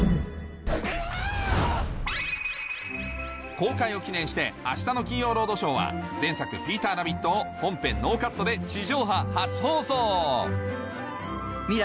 公開を記念して明日の『金曜ロードショー』は前作『ピーターラビット』を本編ノーカットで地上波初放送未来